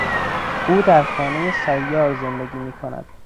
او در خانهی سیار زندگی میکند.